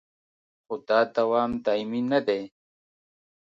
خو دا دوام دایمي نه دی